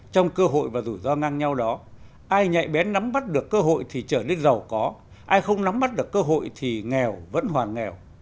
trong cơ hội và rủi ro ngang nhau đó ai nhạy bén nắm bắt được cơ hội thì trở nên giàu có ai không nắm bắt được cơ hội thì nghèo vẫn hoàn nghèo